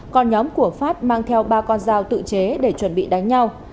còn nhóm của phát mang theo ba con dao tự chế để chuẩn bị đánh nhau